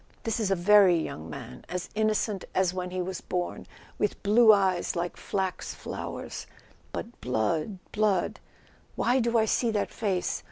This is a very young man, as innocent as when he was born, with blue eyes like flax flowers, but blood, blood ... why do I see that face?